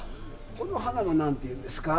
この花は何ていうんですか？